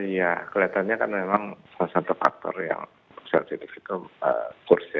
ya kelihatannya kan memang salah satu faktor yang sangat signifikan kursi